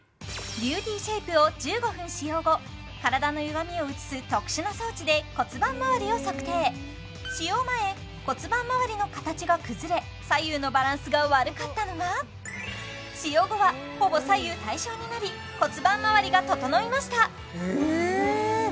ビューティーシェイプを１５分使用後体のゆがみを写す特殊な装置で骨盤周りを測定使用前骨盤周りの形が崩れ左右のバランスが悪かったのが使用後はほぼ左右対称になり骨盤周りが整いましたえっ